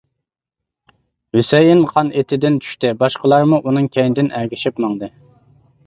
ھۈسەيىن خان ئېتىدىن چۈشتى باشقىلارمۇ ئۇنىڭ كەينىدىن ئەگىشىپ ماڭدى.